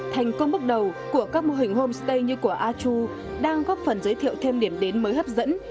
thành công bước đầu của các mô hình homestay như của a chu đang góp phần giới thiệu thêm điểm đến mới hấp dẫn